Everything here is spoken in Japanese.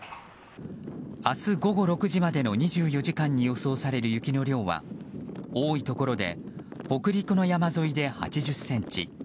明日午後６時までの２４時間に予想される雪の量は多いところで北陸の山沿いで８０ｃｍ